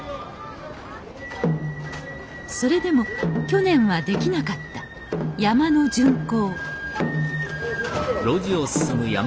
それでも去年はできなかった山車の巡行